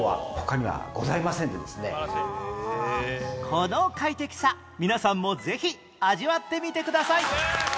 この快適さ皆さんもぜひ味わってみてください